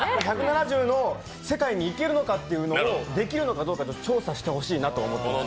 １７０の世界に行けるのかっていうのができるのか調査してほしいなと思ってます。